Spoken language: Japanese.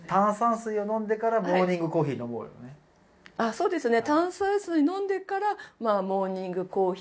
そうですね